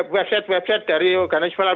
website website dari organisasi